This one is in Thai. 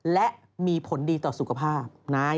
และมีผลดีต่อสุขภาพ